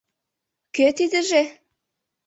— Кӧ тидыже?